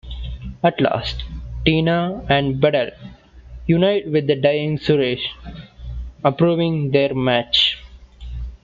At last, Tina and Badal unite with the dying Suresh approving their match.